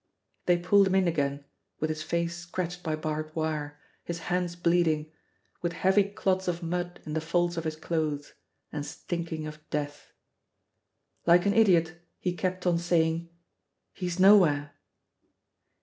They pulled him in again, with his face scratched by barbed wire, his hands bleeding, with heavy clods of mud in the folds of his clothes, and stinking of death. Like an idiot be kept on saying, "He's nowhere."